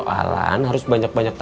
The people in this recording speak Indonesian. kamu juga harus menjawab banyaknya